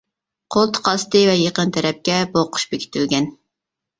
قولتۇق ئاستى ۋە يېقىن تەرەپكە بوغقۇچ بېكىتىلگەن.